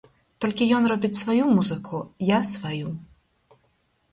Толькі ён робіць сваю музыку, я сваю.